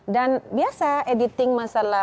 dan biasa editing masalah